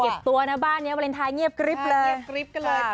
เก็บตัวนะบ้านเนี่ยวาเลนทรายเงียบกริ๊บเลย